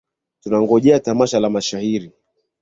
Tunangojea tamasha la mashairi.